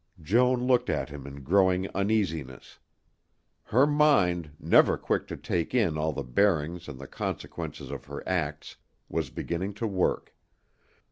Joan looked at him in growing uneasiness. Her mind, never quick to take in all the bearings and the consequences of her acts, was beginning to work.